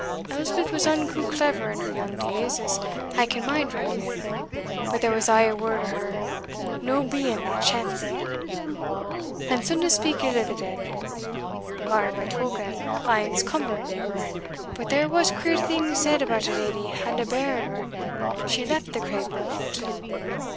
Elspeth was unco clever in her young days, as I can mind right weel, but there was aye a word o' her no being that chancy. Ane suldna speak ill o' the dead mair by token, o' ane's cummer and neighbour but there was queer things said about a leddy and a bairn or she left the Craigburnfoot.